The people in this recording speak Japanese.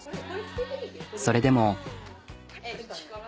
それでも。